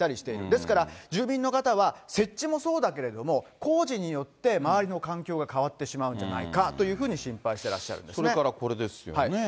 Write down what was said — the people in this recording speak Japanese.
ですから、住民の方は、設置もそうだけれども、工事によって周りの環境が変わってしまうんじゃないかというふうそれからこれですよね。